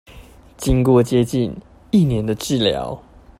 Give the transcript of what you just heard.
經過接近一年的治療